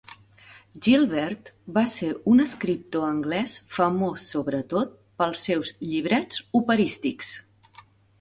Gilbert, va ser un escriptor anglès famós sobretot pels seus llibrets operístics.